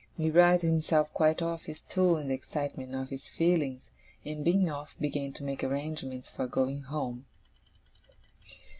He writhed himself quite off his stool in the excitement of his feelings, and, being off, began to make arrangements for going home.